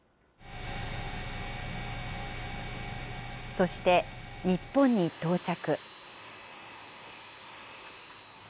そして、日本に到着。